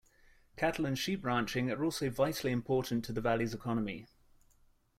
Cattle and sheep ranching are also vitally important to the valley's economy.